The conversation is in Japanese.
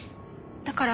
だから。